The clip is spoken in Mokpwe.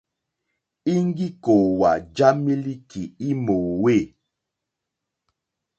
Íŋɡí kòòwà já mílíkì í mòòwê.